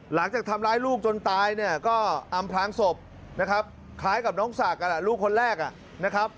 หลังจากทำร้ายลูกจนตายก็อำพล้างศพคล้ายกับน้องศักดิ์ลูกคนแรก